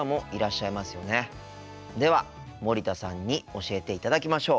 では森田さんに教えていただきましょう。